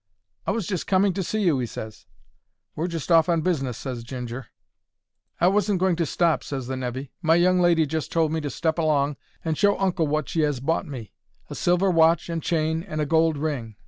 "I was just coming to see you," he ses. "We're just off on business," ses Ginger. "I wasn't going to stop," ses the nevy; "my young lady just told me to step along and show uncle wot she has bought me. A silver watch and chain and a gold ring.